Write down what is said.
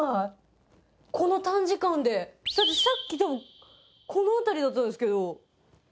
だってさっきでもこの辺りだったんですけど。